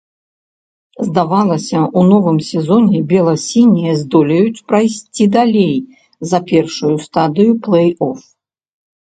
Здавалася, у новым сезоне бела-сінія здолеюць прайсці далей за першую стадыю плэй-оф.